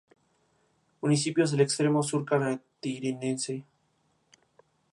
Municipios del Extremo Sur Catarinense